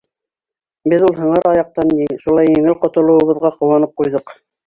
Беҙ ул һыңар аяҡтан шулай еңел ҡотолоуыбыҙға ҡыуанып ҡуйҙыҡ.